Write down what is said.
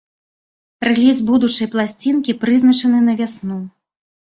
Рэліз будучай пласцінкі прызначаны на вясну.